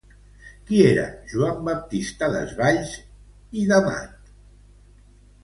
Qui era Joan Baptista Desvalls i d'Amat?